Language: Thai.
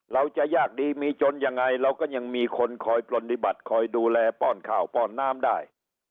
ยากดีมีจนยังไงเราก็ยังมีคนคอยปฏิบัติคอยดูแลป้อนข้าวป้อนน้ำได้